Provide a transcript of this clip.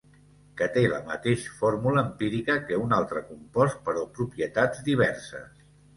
Que té la mateix fórmula empírica que un altre compost però propietats diverses.